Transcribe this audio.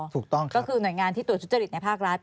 ถูกต้องครับ